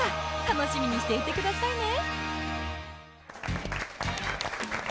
楽しみにしていてくださいね